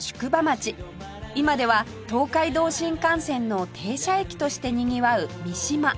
今では東海道新幹線の停車駅としてにぎわう三島